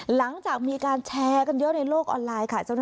หลังจากมีการแชร์กันเยอะในโลกออนไลน์ค่ะ